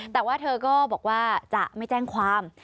แต่ว่าเธอก็บอกว่าจะไม่แจ้งความ